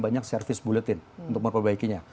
banyak service buletin untuk memperbaikinya